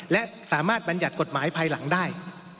และสามารถบรรยัติกฎหมายภายหลังได้